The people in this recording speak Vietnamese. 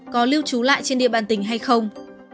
có lưu trú lại trên địa bàn tỉnh hay không